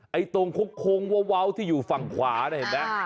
ไอตรงของเว้าที่อยู่ฝั่งขวาน่ะเห็นปะ